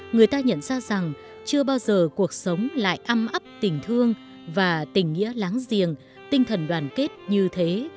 người ta nhận ra rằng chưa bao giờ cuộc sống lại âm ấp tình thương và tình nghĩa láng giềng tinh thần đoàn kết như thế